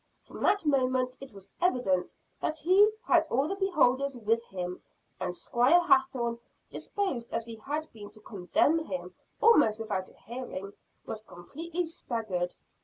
From that moment, it was evident that he had all the beholders with him; and Squire Hathorne, disposed as he had been to condemn him almost without a hearing, was completely staggered.